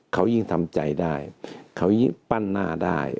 เขายิ่งทำใจได้เขายิ่งปั้นหน้าได้